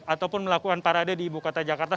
ataupun melakukan parade di ibu kota jakarta